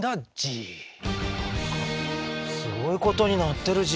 すごいことになってるＧ。